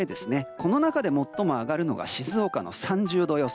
この中で最も上がるのが静岡３０度予想